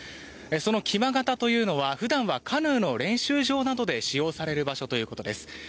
その木場潟というのはカヌーの練習で使用される場所ということです。